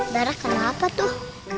darah kena apa tuh